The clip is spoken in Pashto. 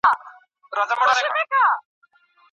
چي رباب چي آدم خان وي درخانۍ به یې داستان وي